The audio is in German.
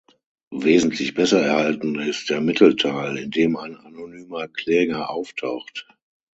Wesentlich besser erhalten ist der Mittelteil, in dem ein anonymer Kläger auftaucht.